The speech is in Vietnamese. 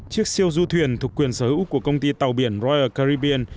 chiếc siêu du thuyền thuộc quyền sở hữu của công ty tàu biển royal caribbean